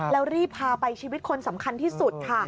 แล้วรีบพาไปชีวิตคนสำคัญที่สุดค่ะ